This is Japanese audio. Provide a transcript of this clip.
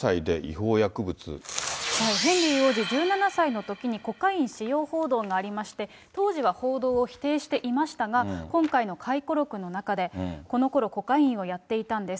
ヘンリー王子、１７歳のときにコカイン使用報道がありまして、当時は報道を否定していましたが、今回の回顧録の中で、このころ、コカインをやっていたんです。